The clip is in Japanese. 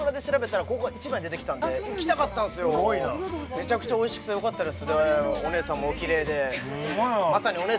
めちゃくちゃおいしくてよかったです